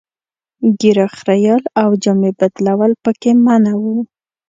ږیره خرییل او جامې بدلول پکې منع وو.